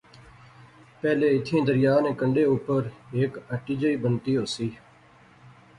پہلے ایتھیں دریا نے کنڈے اُپر ہیک ہتی جئی بنتی ہوسی